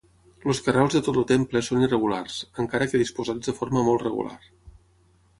Els carreus de tot el temple són irregulars, encara que disposats de forma molt regular.